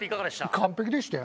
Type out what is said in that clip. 完璧でしたよ。